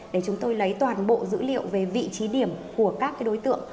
để chúng tôi lấy toàn bộ dữ liệu về vị trí điểm của các đối tượng